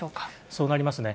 そうなりますね。